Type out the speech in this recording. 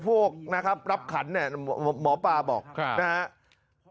พวกนะครับรับขันเนี่ยหมอปลาบอกนะครับ